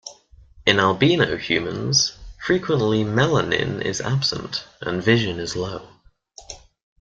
In albino humans, frequently melanin is absent and vision is low.